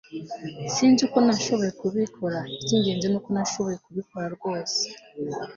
Sinzi uko nashoboye kubikora Icyingenzi nuko nashoboye kubikora rwose